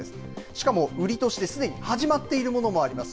しかもウリとしてすでに始まっているものもあります。